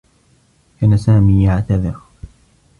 كان سامي يعتذر.